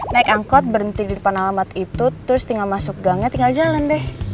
naik angkot berhenti di depan alamat itu terus tinggal masuk gangnya tinggal jalan deh